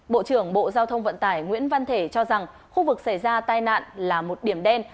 bộ trưởng bộ giao thông vận tải nguyễn văn thể cho rằng khu vực xảy ra tai nạn là một điểm đen